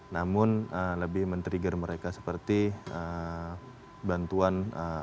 namun lebih men trigger mereka seperti bantuan